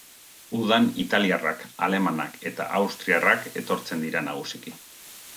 Udan italiarrak, alemanak eta austriarrak etortzen dira nagusiki.